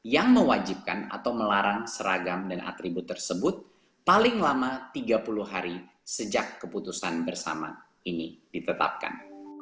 yang mewajibkan atau melarang seragam dan atribut tersebut paling lama tiga puluh hari sejak keputusan bersama ini ditetapkan